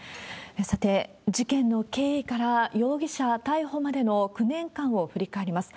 さて、事件の経緯から容疑者逮捕までの９年間を振り返ります。